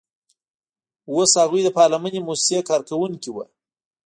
اوس هغوی د پاملرنې موسسې کارکوونکي وو